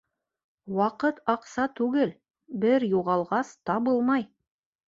Ваҡыт аҡса түгел, бер юғалғас, табылмай.